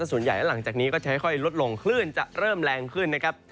ส่วนใหญ่แล้วหลังจากนี้ก็จะค่อยลดลงคลื่นจะเริ่มแรงขึ้นนะครับ